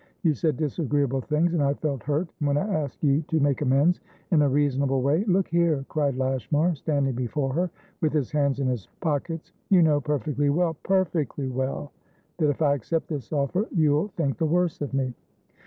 You said disagreeable things, and I felt hurt, and when I ask you to make amends in a reasonable way" "Look here," cried Lashmar, standing before her with his hands in his pockets, "you know perfectly wellperfectly wellthat, if I accept this offer, you'll think the worse of me."